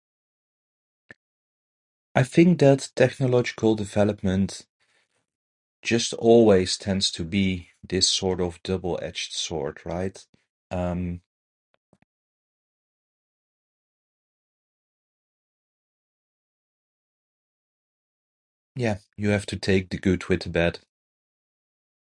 I think that technological development just always tends to be this sort of double-edged sword, right? Um... Yeah, you have to take the good with the bad.